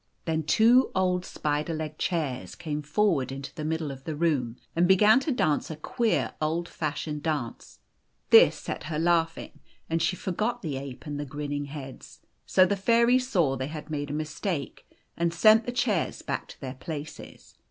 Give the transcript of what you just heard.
Then two old spider legged chairs came forward into the middle of the room, and began to dance a queer, old fashioned dance. This set her lauo; hinor and she O O 7 forgot the ape and the grinning heads. So the fairies The Golden Key 179 saw they had made a mistake, and sent the chairs back to their places.